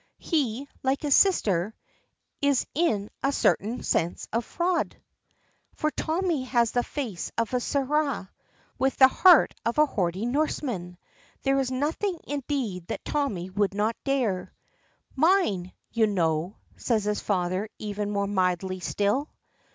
He, like his sister, is in a certain sense a fraud. For Tommy has the face of a seraph with the heart of a hardy Norseman. There is nothing indeed that Tommy would not dare. "Mine, you know," says his father, even more mildly still.